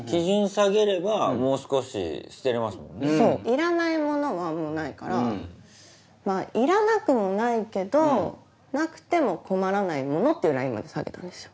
いらないものはもうないからいらなくもないけどなくても困らないものっていうラインまで下げたんですよ。